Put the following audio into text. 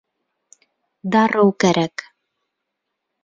— Дарыу кәрәк.